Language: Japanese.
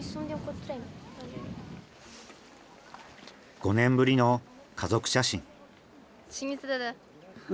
５年ぶりの家族写真。